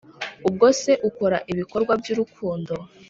ubwose ukora ibikorwa by’urukundo